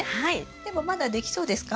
でもまだできそうですか？